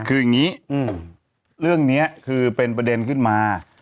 คืออย่างนี้เรื่องนี้คือเป็นประเด็นขึ้นมา